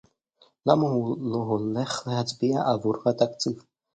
למה הוא לא הולך להצביע עבור התקציב